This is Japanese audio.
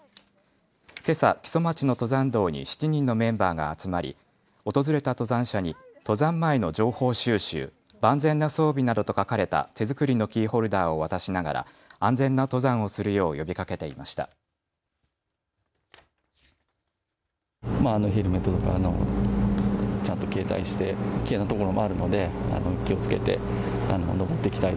けさ、木曽町の登山道に７人のメンバーが集まり、訪れた登山者に登山前の情報収集、万全な装備などと書かれた手作りのキーホルダーを渡しながら安全な登山をするよう呼びかけていました。